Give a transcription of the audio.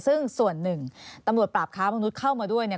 ซึ่งส่วนหนึ่งตำรวจปราบค้ามนุษย์เข้ามาด้วยเนี่ย